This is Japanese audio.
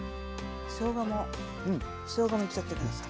しょうがもしょうがもいっちゃって下さい。